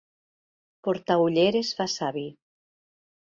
Portar ulleres fa savi.